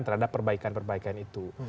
terhadap perbaikan perbaikan itu